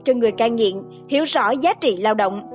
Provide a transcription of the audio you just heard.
cho người cai nghiện hiểu rõ giá trị lao động